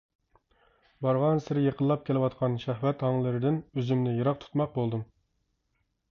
بارغانسېرى يېقىنلاپ كېلىۋاتقان شەھۋەت ھاڭلىرىدىن ئۆزۈمنى يىراق تۇتماق بولدۇم.